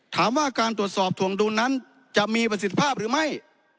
ถามว่าการตรวจสอบถวงดุลนั้นจะมีประสิทธิภาพหรือไม่